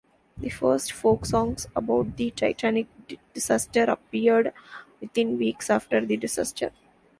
The first folk songs about the "Titanic" disaster appeared within weeks after the disaster.